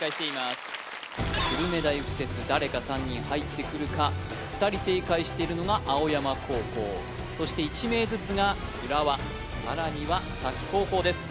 誰か３人入ってくるか２人正解しているのが青山高校そして１名ずつが浦和さらには滝高校です